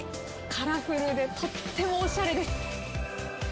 カラフルでとってもおしゃれです。